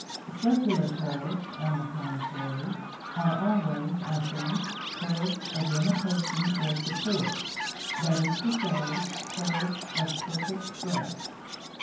Circular curves, on the contrary, are always, I think, curves of limitation or support; that is to say, curves of perfect rest.